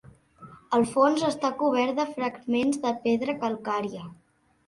El fons està cobert de fragments de pedra calcària.